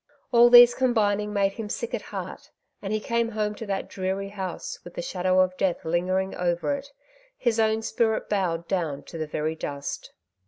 All these combining made him sick at heart, and he came home to that dreary house with the shadow of death lingering over it, his own spirit bowed down to the very dust.